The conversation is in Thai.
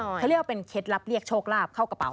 เขาเรียกว่าเป็นเคล็ดลับเรียกโชคลาภเข้ากระเป๋า